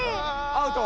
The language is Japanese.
アウト？